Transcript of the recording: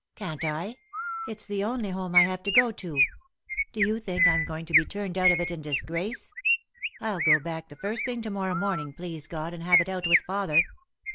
" Can't I ? It's the only home I have to go to. Do you think I'm going to be turned out of it in disgrace ? I'll go back the first thing to morrow morning, please God, and have it out with father."